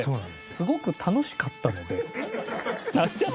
「すごく楽しかったので」なんじゃ？